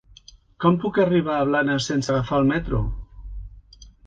Com puc arribar a Blanes sense agafar el metro?